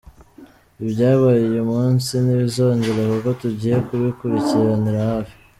Ibyabaye uyu munsi ntibizongera kuko tugiye kubikurikiranira hafi.